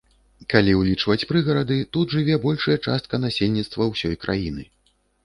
Калі ўлічваць прыгарады, тут жыве большая частка насельніцтва ўсёй краіны.